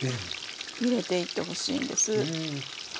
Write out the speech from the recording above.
入れていってほしいんです。